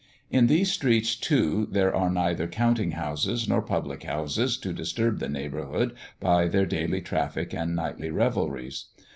In these streets, too, there are neither counting houses nor public houses to disturb the neighbourhood by their daily traffic and nightly revelries.